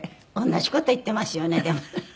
同じ事を言ってますよねでも。